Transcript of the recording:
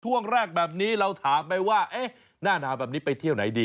ช่วงแรกแบบนี้เราถามไปว่าหน้าหนาวแบบนี้ไปเที่ยวไหนดี